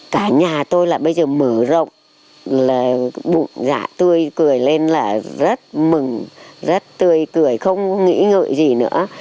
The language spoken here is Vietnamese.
cả nhà tôi là bây giờ mở rộng là bụng giả tươi cười lên là rất mừng rất tươi cười không nghĩ ngợi gì nữa